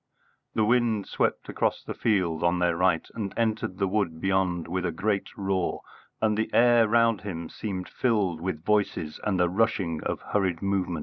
The wind swept across the field on their right and entered the wood beyond with a great roar, and the air round him seemed filled with voices and the rushing of hurried movement.